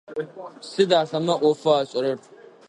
Сыд ахэмэ ӏофэу ашӏэрэр?